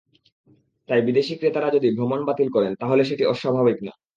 তাই বিদেশি ক্রেতারা যদি ভ্রমণ বাতিল করেন, তাহলে সেটি অস্বাভাবিক না।